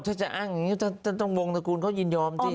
ถ้าจะอ้างอย่างนี้ถ้าต้องวงตระกูลเขายินยอมสิ